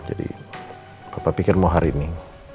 jadi papa pikir mau hari ini